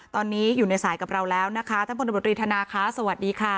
ตอนนี้อยู่ในสายกับเราแล้วนะคะท่านพลตำรวจรีธนาคะสวัสดีค่ะ